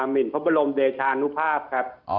หมินพระบรมเดชานุภาพครับ